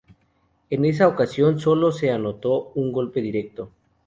En esa ocasión solo se anotó un golpe directo.